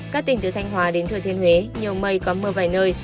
các tỉnh từ thanh hòa đến thừa thiên huế nhiều mây có mưa vài nơi